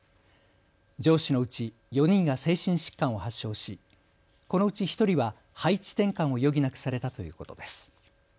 上司のうち４人が精神疾患を発症しこのうち１人は配置転換を余儀なくされたということです。